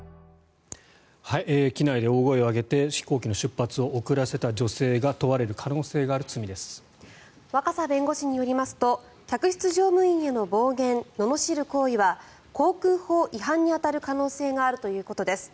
機内で大声を上げて飛行機の出発を遅らせた女性に若狭弁護士によりますと客室乗務員への暴言、ののしる行為は航空法違反に当たる可能性があるということです。